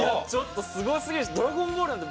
戸谷：すごすぎるし『ドラゴンボール』なんて。